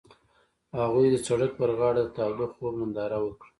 هغوی د سړک پر غاړه د تاوده خوب ننداره وکړه.